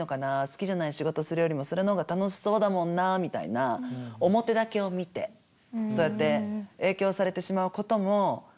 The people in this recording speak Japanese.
好きじゃない仕事をするよりもそれの方が楽しそうだもんなみたいな表だけを見てそうやって影響されてしまうこともあるのかな。